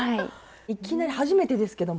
いきなり初めてですけども。